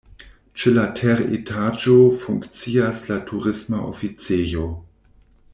Ĉe la teretaĝo funkcias la Turisma Oficejo.